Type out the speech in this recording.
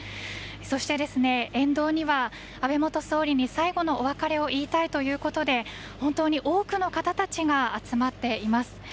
そして、沿道には安倍元総理に最後のお別れを言いたいということで本当に多くの方たちが集まっています。